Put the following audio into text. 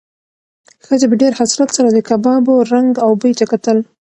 ښځې په ډېر حسرت سره د کبابو رنګ او بوی ته کتل.